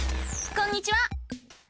こんにちは！